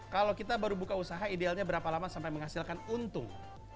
kalau kita baru buka usaha idealnya berapa lama sampai menghasilkan untung